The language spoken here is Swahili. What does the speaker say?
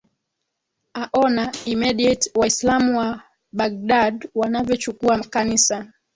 aona immediate waislamu wa baghdad wanavyochukua kanisa